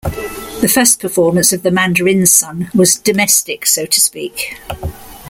The first performance of "The Mandarin's Son" was "domestic," so to speak.